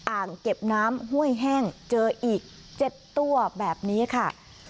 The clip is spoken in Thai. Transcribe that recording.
อ่างเก็บน้ำห้วยแห้งเจออีก๗ตัวแบบนี้ค่ะ